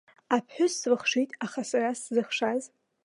Аԥҳәыс слыхшеит, аха сара сзыхшаз.